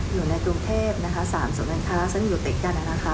อยู่ในกรุงเทพฯนะคะสามศูนย์การค้าซึ่งอยู่ติดกันน่ะนะคะ